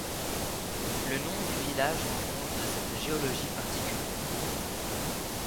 Le nom du village rend compte de cette géologie particulière.